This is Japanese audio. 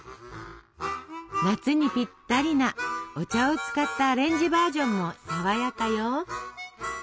夏にぴったりなお茶を使ったアレンジバージョンも爽やかよ！